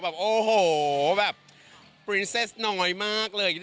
แบบโอ้โหแบบปรีเซสน้อยมากเลย